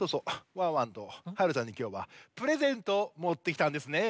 ワンワンとはるちゃんにきょうはプレゼントをもってきたんですね。